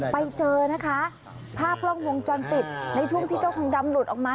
ไปเจอนะคะภาพกล้องวงจรปิดในช่วงที่เจ้าทองดำหลุดออกมา